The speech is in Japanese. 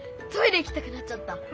トイレ行きたくなっちゃった。